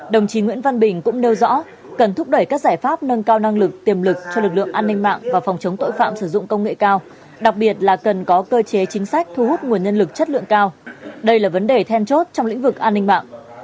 đồng chí nguyễn văn bình cũng nêu rõ cần thúc đẩy các giải pháp nâng cao năng lực tiềm lực cho lực lượng an ninh mạng và phòng chống tội phạm sử dụng công nghệ cao đặc biệt là cần có cơ chế chính sách thu hút nguồn nhân lực chất lượng cao đây là vấn đề then chốt trong lĩnh vực an ninh mạng